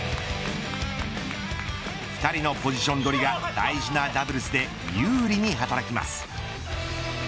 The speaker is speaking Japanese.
２人のポジション取りが大事なダブルスで有利に働きます。